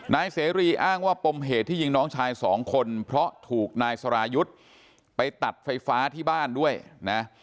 นายเสรีอ้างว่าปมเหตุที่ยิงน้องชายสองคนเพราะถูกนายสรายุทธ์ไปตัดไฟฟ้าที่บ้านด้วยนะ